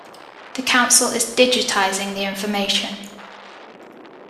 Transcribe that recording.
The council is digitizing the information.